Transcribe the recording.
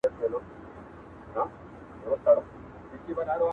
او خوا ته یې ورغلم